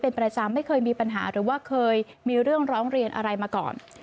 เป็นประจำไม่เคยมีปัญหาหรือว่าเคยมีเรื่องร้องเรียนอะไรมาก่อน